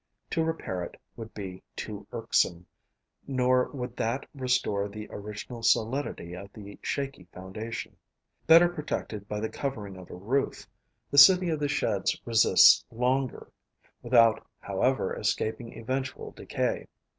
To repair it would be too irksome, nor would that restore the original solidity of the shaky foundation. Better protected by the covering of a roof, the city of the sheds resists longer, without however escaping eventual decay.